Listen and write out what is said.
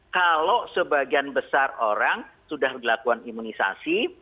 kalau sebagian besar orang sudah dilakukan imunisasi